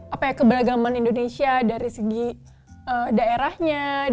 apa ya keberagaman indonesia dari segi daerahnya